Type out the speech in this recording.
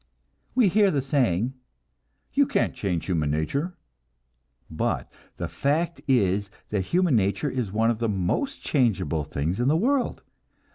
We hear the saying: "You can't change human nature"; but the fact is that human nature is one of the most changeable things in the world.